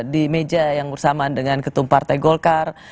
di meja yang bersamaan dengan ketum partai golkar